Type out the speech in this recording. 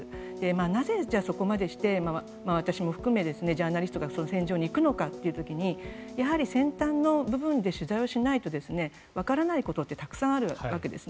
なぜ、じゃあそこまでして私も含めジャーナリストが戦場に行くのかという時にやはり先端の部分で取材をしないとわからないことってたくさんあるわけですね。